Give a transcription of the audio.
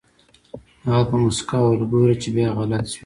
هغه په موسکا وويل ګوره چې بيا غلط شوې.